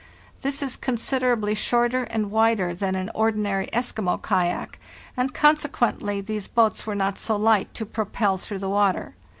This is considerably shorter and wider than an ordinary Eskimo kayak, and conse quently these boats were not so light to propel through the water.